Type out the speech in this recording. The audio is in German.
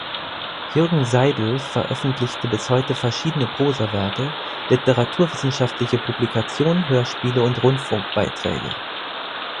Jürgen Seidel veröffentlichte bis heute verschiedene Prosa-Werke, literaturwissenschaftliche Publikationen, Hörspiele und Rundfunkbeiträge.